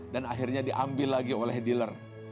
dan akhirnya diambil lagi oleh dealer